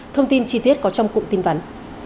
thông tin chi tiết có trong cụm tin vắn